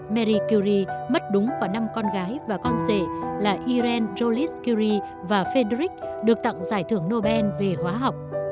marie curie mất đúng vào năm con gái và con rể là irene jolies curie và frederic được tặng giải thưởng nobel về hóa học